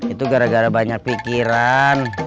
itu gara gara banyak pikiran